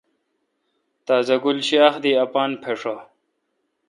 تازہ گل شاخ دی اپان پھشہ۔